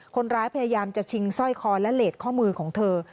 พยายามจะชิงสร้อยคอและเลสข้อมือของเธอ